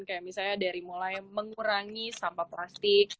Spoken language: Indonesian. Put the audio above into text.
kayak misalnya dari mulai mengurangi sampah plastik